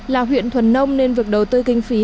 là huyện thuần nông nên việc đầu tư kinh phí